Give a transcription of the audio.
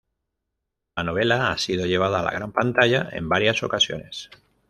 La novela ha sido llevada a la gran pantalla en varias ocasiones.